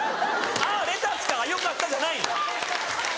「あぁレタスかよかった」じゃないの。